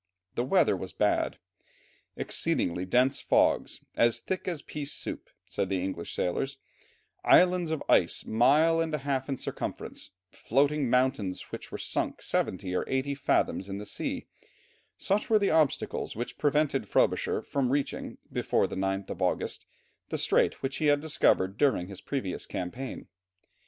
The weather was bad. Exceedingly dense fogs, as thick as pease soup, said the English sailors, islands of ice a mile and a half in circumferance, floating mountains which were sunk seventy or eighty fathoms in the sea, such were the obstacles which prevented Frobisher from reaching before the 9th of August, the strait which he had discovered during his previous campaign.